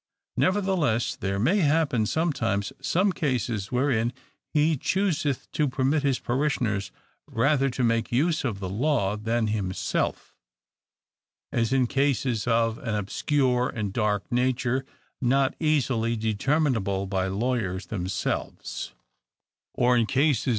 Nevertheless, there may happen sometimes some cases, wherein he chooseth to permit his parishioners rather to make use of the law, than himself: as in cases of an obscure and dark nature, not easily determinable by lawyers themselves ; or in cases 52 THE COUNTRY PARSON.